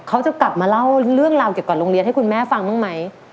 เขาจะกลับมาเล่าเรื่องราวเกี่ยวกับโรงเรียนให้คุณแม่ฟังบ้างไหม